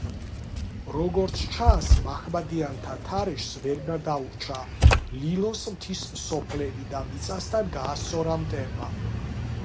როგორც ჩანს, მაჰმადიანთა თარეშს ვერ გადაურჩა ლილოს მთის სოფლები და მიწასთან გაასწორა მტერმა.